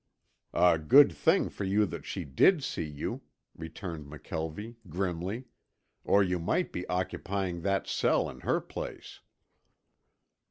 "A good thing for you that she did see you," returned McKelvie grimly, "or you might be occupying that cell in her place."